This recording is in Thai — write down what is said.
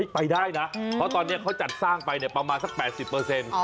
ไปได้นะเพราะตอนนี้เขาจัดสร้างไปเนี่ยประมาณสัก๘๐เปอร์เซ็นต์